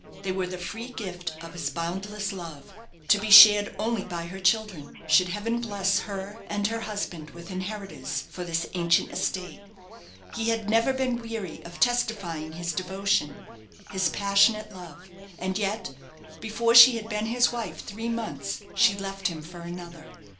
They were the free gift of his boundless love! to be shared only by her children, should heaven bless her and her husband with inheritors for this ancient estate. He had never been weary of testifying his devotion, his passionate love; and yet, before she had been his wife three months, she left him for another.